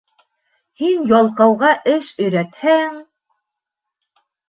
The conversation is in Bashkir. Һин ялҡауға эш өйрәтһәң